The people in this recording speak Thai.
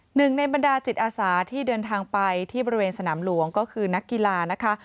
หนึ่งในบรรดาจิตอาสาที่เดินทางไปที่บริเวณสนามหลวงก็คือนักกีฬานะคะ